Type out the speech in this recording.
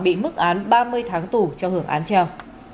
bị mức án ba mươi tháng tù cho hưởng án treo